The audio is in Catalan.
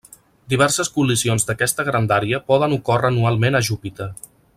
Diverses col·lisions d'aquesta grandària poden ocórrer anualment a Júpiter.